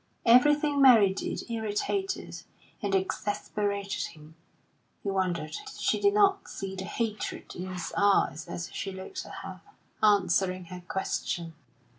Everything Mary did irritated and exasperated him; he wondered she did not see the hatred in his eyes as he looked at her, answering her question.